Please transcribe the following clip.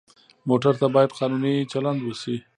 موټر ته باید قانوني چلند وشي.